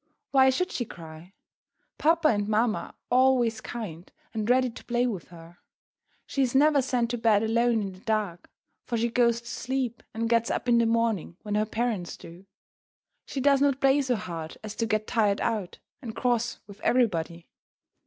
Why should she cry? Papa and mamma are always kind and ready to play with her. She is never sent to bed alone in the dark, for she goes to sleep, and gets up in the morning when her parents do. She does not play so hard as to get tired out and cross with everybody.